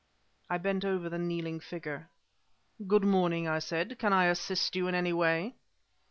I bent over the kneeling figure. "Good morning," I said; "can I assist you in any way?"